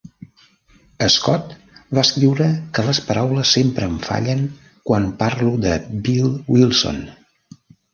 Scott va escriure que les paraules sempre em fallen quan parlo de Bill Wilson.